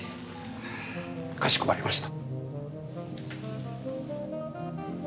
かしこまりました。